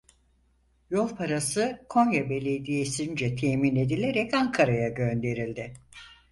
Yol parası Konya Belediyesi'nce temin edilerek Ankara'ya gönderildi.